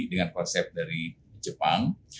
dengan konsep dari jepang